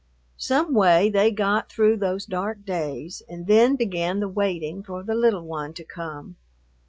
Some way they got through those dark days, and then began the waiting for the little one to come.